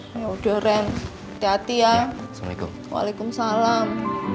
ya udah ren hati hati ya assalamualaikum waalaikumsalam